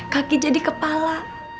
kaki jadi kepala